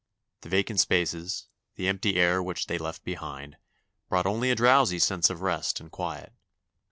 The vacant spaces, the empty air which they left behind, brought only a drowsy sense of rest and quiet.